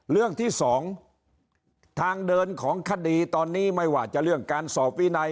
เรื่องที่สองทางเดินของคดีตอนนี้ไม่ว่าจะเรื่องการสอบวินัย